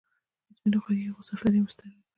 هیڅ مې نه خوښیږي، خو سفر یم ستړی کړی